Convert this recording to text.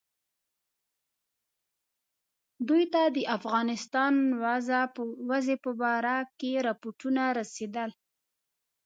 دوی ته د افغانستان وضع په باره کې رپوټونه رسېدل.